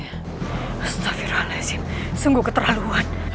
astaghfirullahaladzim sungguh keterlaluan